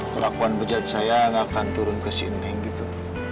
perlakuan bejat saya gak akan turun ke sini gitu